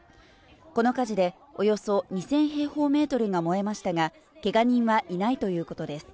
この火事でおよそ２０００平方メートルが燃えましたが、けが人はいないということです。